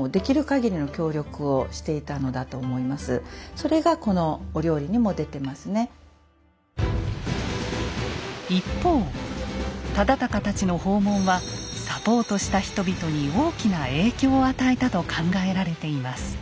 これはほんとに一方忠敬たちの訪問はサポートした人々に大きな影響を与えたと考えられています。